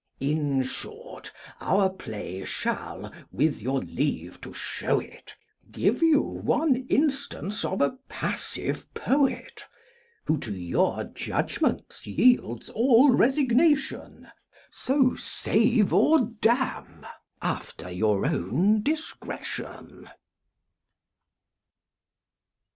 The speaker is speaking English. In short, our play shall (with your leave to show it) Give you one instance of a passive poet, Who to your judgments yields all resignation: So save or damn, after your own discretion.